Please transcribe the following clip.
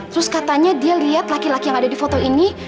terus katanya dia lihat laki laki yang ada di foto ini